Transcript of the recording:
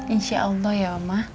insya allah ya omah